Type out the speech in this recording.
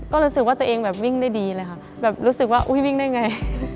ก็รู้สึกว่าตัวเองแบบวิ่งได้ดีเลยค่ะแบบรู้สึกว่าอุ้ยวิ่งได้ไง